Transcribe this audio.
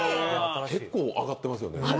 結構上がってますよね。